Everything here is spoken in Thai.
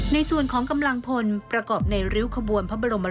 ในส่วนของกำลังพลประกอบในริ้วขบวนพระบรม